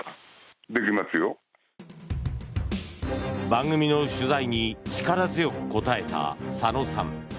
番組の取材に力強く答えた左野さん。